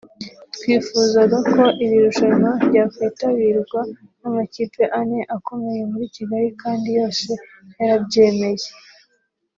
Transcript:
twifuzaga ko iri rushanwa ryakwitabirwa n’amakipe ane akomeye muri Kigali kandi yose yarabyemeye